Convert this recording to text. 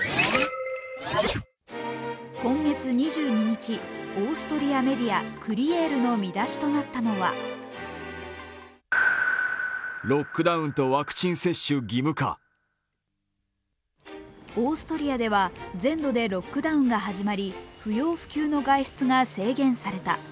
今月２２日、オーストリアメディア、「クリエール」の見出しとなったのはオーストリアでは全土でロックダウンが始まり、不要不急の外出が制限された。